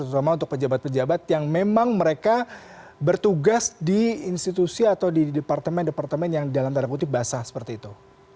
terutama untuk pejabat pejabat yang memang mereka bertugas di institusi atau di departemen departemen yang dalam tanda kutip basah seperti itu